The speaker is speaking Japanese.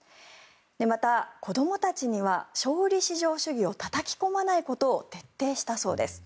また子どもたちには勝利至上主義をたたき込まないことを徹底したそうです。